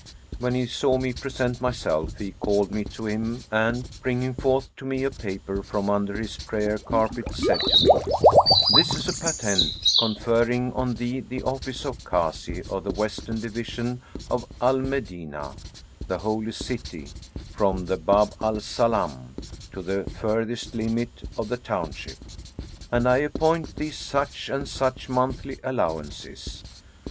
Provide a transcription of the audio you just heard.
When he saw me present myself he called me to him and, bringing forth to me a paper from under his prayer carpet, said to me, 'This is a patent, conferring on thee the office of Kazi of the western division of Al Medinah, the Holy City, from the Bab al Salбm[FN#423] to the furthest limit of the township; and I appoint thee such and such monthly allowances.